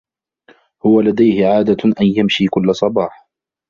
هو لديه عادة أن يمشي كل صباح.